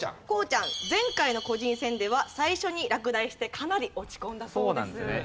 こうちゃん前回の個人戦では最初に落第してかなり落ち込んだそうです。